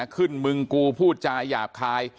ขึ้นมึงกูพูดจายหยาบคาย